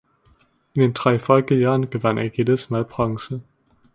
In den drei Folgejahren gewann er jedes Mal Bronze.